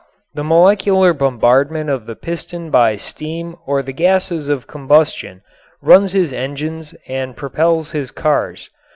The molecular bombardment of the piston by steam or the gases of combustion runs his engines and propels his cars.